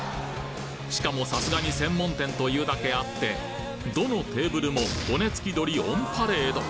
しかもさすがに専門店というだけあってどのテーブルも骨付鳥オンパレード！！